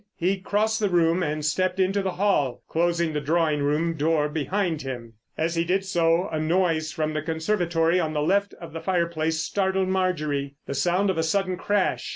He crossed the room and stepped into the hall, closing the drawing room door behind him. As he did so a noise from the conservatory on the left of the fireplace startled Marjorie. The sound of a sudden crash.